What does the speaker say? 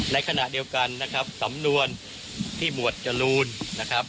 ในขณะเดียวกันนะครับสำนวนที่หมวดจรูนนะครับ